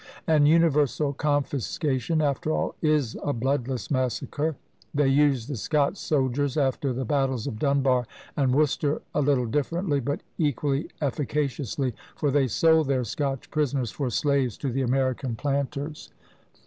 An universal confiscation, after all, is a bloodless massacre. They used the Scotch soldiers, after the battles of Dunbar and Worcester, a little differently but equally efficaciously for they sold their Scotch prisoners for slaves to the American planters.